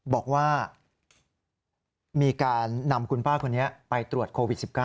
บอกว่ามีการนำคุณป้าคนนี้ไปตรวจโควิด๑๙